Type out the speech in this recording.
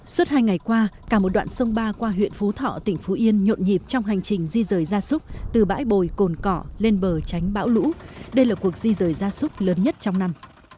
suốt hai ngày qua cả một đoạn sông ba qua huyện phú thọ tỉnh phú yên nhộn nhịp trong hành trình di rời ra súc từ bãi bồi cồn cỏ lên bờ tránh bão lũ đây là cuộc di rời ra súc lớn nhất trong năm